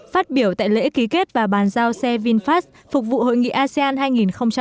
phát biểu tại lễ ký kết và bàn giao xe vinfast phục vụ hội nghị asean hai nghìn hai mươi